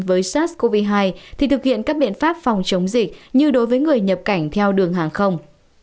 với sars cov hai thì thực hiện các biện pháp phòng chống dịch như đối với người nhập cảnh theo đường hàng không